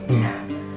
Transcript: terima kasih pak